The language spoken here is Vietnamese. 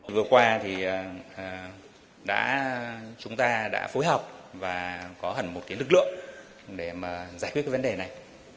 vừa qua thì chúng ta đã phối học và có hẳn một lực lượng để giải quyết vấn đề này